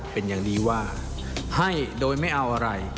เป็นอย่างดีว่าให้โดยไม่เอาอะไร